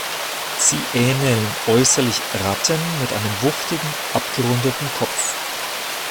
Sie ähneln äußerlich Ratten mit einem wuchtigen, abgerundeten Kopf.